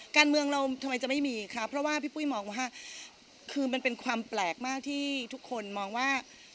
การเมืองเราทำไมจะไม่มีครับเพราะว่าพี่ปุ้ยมองว่าคือมันเป็นความแปลกมากที่ทุกคนมองว่า